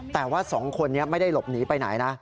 แต่ว่า๒คนนี้ไม่ได้หลบหนีไปไหนนะ